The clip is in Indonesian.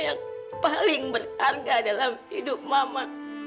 yang paling berharga dalam hidup mama